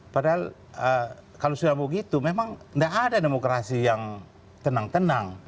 padahal kalau sudah begitu memang tidak ada demokrasi yang tenang tenang